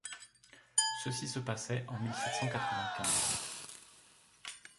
Ceci se passait en mille sept cent quatre-vingt-quinze.